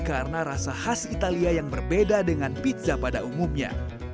karena rasa khas italia yang berbeda dengan pizza pada umumnya